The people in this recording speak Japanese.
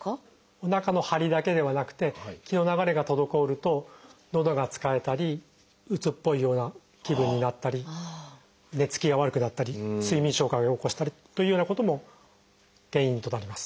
おなかのハリだけではなくて気の流れが滞るとのどがつかえたりうつっぽいような気分になったり寝つきが悪くなったり睡眠障害を起こしたりというようなことの原因となります。